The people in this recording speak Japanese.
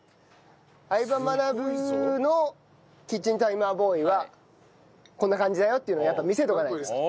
『相葉マナブ』のキッチンタイマーボーイはこんな感じだよっていうのを見せておかないとですから。